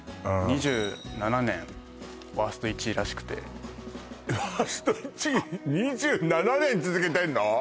２７年ワースト１位らしくてワースト１位２７年続けてんの？